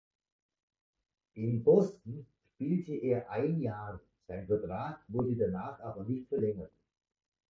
In Boston spielte er ein Jahr, sein Vertrag wurde danach aber nicht verlängert.